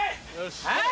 はい！